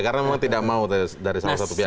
karena memang tidak mau dari salah satu pihak